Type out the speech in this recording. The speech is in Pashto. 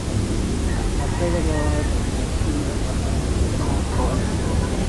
احمدشاه بابا د ولسي ارزښتونو ساتنه کوله.